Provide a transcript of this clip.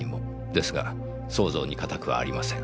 ですが想像に難くはありません。